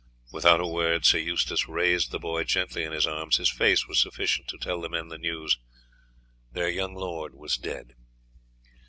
Without a word Sir Eustace raised the boy gently in his arms. His face was sufficient to tell the men the news; their young lord was dead.